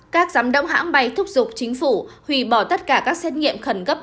các giám đốc hãng bay thúc giục chính phủ hủy bỏ tất cả các xét nghiệm khẩn cấp